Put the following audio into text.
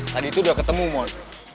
tadi itu udah ketemu mall